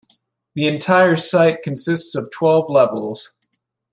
The entire site consists of twelve levels.